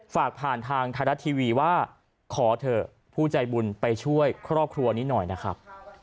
ฝากผ่านทางไทยรัฐทีวีว่าขอเถอะผู้ใจบุญไปช่วยครอบครัวนี้หน่อยนะครับ